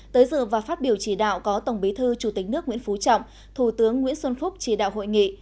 tới dự và phát biểu chỉ đạo có tổng bí thư chủ tịch nước nguyễn phú trọng thủ tướng nguyễn xuân phúc chỉ đạo hội nghị